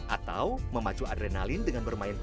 atau memacu adrenalin dengan bermain bola